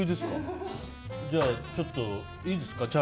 じゃあ、ちょっといいですか。